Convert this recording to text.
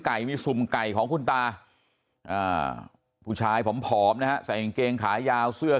มีสุ่มไก่ของคุณตาผู้ชายผอมนะฮะใส่กางเกงขายาวเสื้อ